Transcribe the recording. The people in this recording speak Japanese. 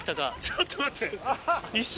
ちょっと待って。